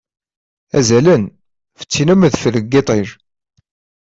Azalen, fessin am udfel deg yiṭij.